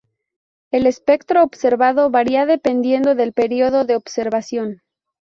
El espectro observado varía dependiendo del período de observación.